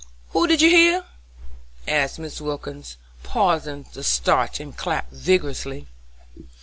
Who did you hear?" asked Mrs. Wilkins, pausing to starch and clap vigorously.